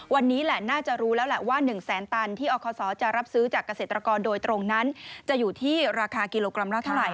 วันนี้แหละน่าจะรู้แล้วแหละว่า๑แสนตันที่อคศจะรับซื้อจากเกษตรกรโดยตรงนั้นจะอยู่ที่ราคากิโลกรัมละเท่าไห